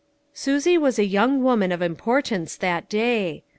Susie was a young woman of importance that day.